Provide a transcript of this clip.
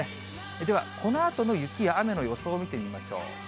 では、このあとの雪や雨の予想を見てみましょう。